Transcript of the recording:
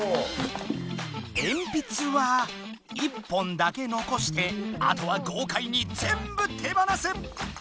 えんぴつは１本だけ残してあとはごうかいに全部手放す！